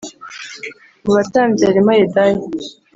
Mu batambyi harimo Yedaya